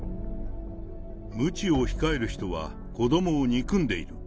むちを控える人は子どもを憎んでいる。